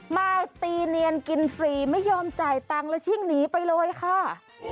มาตีเนียนกินฟรีไม่ยอมจ่ายตังค์แล้วชิ่งหนีไปเลยค่ะ